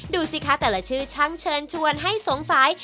ดูสิคะแต่ละชื่อช่างเชิญชวนให้สงสัย